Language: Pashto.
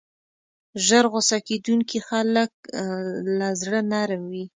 ژر غصه کېدونکي خلک له زړه نرم وي.